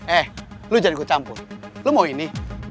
eh lo jangan gue campur lo mau ini